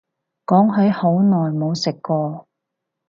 講起好耐冇食過